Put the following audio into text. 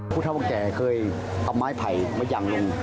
ผู้เท่าว่าแกเคยเอาไม้ไผ่มายั่งลง